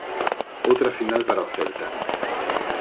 Outra final para o Celta.